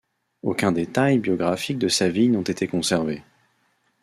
Aucun détails biographiques de sa vie n'ont été conservés.